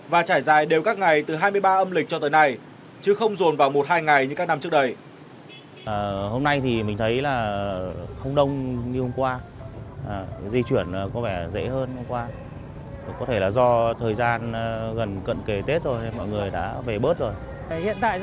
và trải dài đều các ngày từ hai mươi ba âm lịch cho tới nay chứ không dồn vào một hai ngày như các năm trước đây